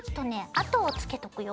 あとをつけとくよ。